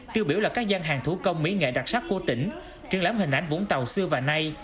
tiêu biểu là các gian hàng thủ công mỹ nghệ đặc sắc của tỉnh triển lãm hình ảnh vũng tàu xưa và nay